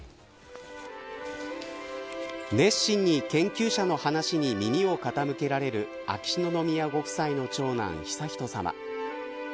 熱心に研究者の話に耳を傾けられる秋篠宮ご夫妻の長男、悠仁さま。